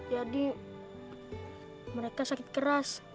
jadi mereka sakit keras